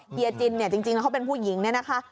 เฮียจินเนี่ยจริงแล้วเขาเป็นผู้หญิงเนี่ยนะคะ